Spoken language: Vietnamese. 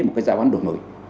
một cái giáo án đổi mới